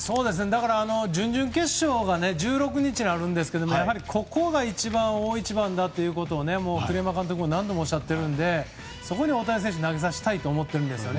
準々決勝が１６日にあるんですけどここが大一番だということを栗山監督も何度もおっしゃっているのでそこで大谷選手投げさせたいと思っているんですね。